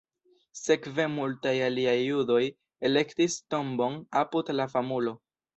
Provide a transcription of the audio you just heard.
Sekve multaj aliaj judoj elektis tombon apud la famulo.